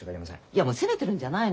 いや責めてるんじゃないのよ。